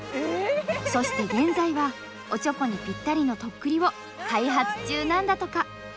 そして現在はおちょこにぴったりの「徳利」を開発中なんだとか。